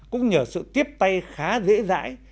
cũng nhờ sự tiếp tay khá dễ dãi